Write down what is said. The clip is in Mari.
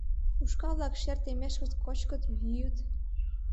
Ушкал-влак шер теммешкышт кочкыт, йӱыт.